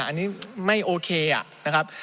อันนี้ไม่โอเคอ่ะ